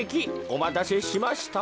おまたせしました。